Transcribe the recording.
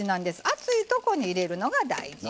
熱いとこに入れるのが大事。